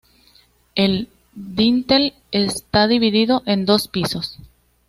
El dintel está dividido en dos pisos.